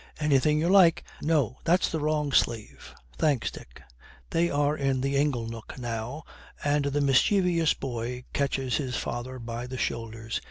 'Anything you like. No, that's the wrong sleeve. Thanks, Dick.' They are in the ingle nook now, and the mischievous boy catches his father by the shoulders.